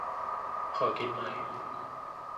ขอกินหน่อย